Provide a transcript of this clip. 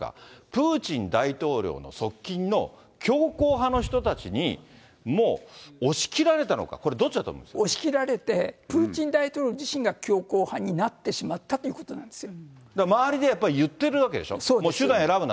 プーチン大統領の側近の強硬派の人たちに、もう押し切られたのか、これ、押し切られて、プーチン大統領自身が強硬派になってしまったということなんです周りでやっぱり言ってるわけそう。